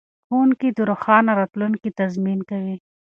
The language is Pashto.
ښوونکي د روښانه راتلونکي تضمین کوي.